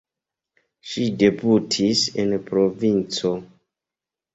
Ŝi debutis en provinco.